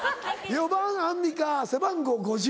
４番アンミカ背番号５０。